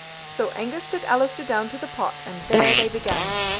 "So Angus took Allister down to the pot, and there they began.